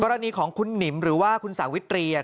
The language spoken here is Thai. กรณีของคุณหนิมหรือว่าคุณสาวิตรี